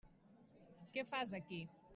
Què fas aquí?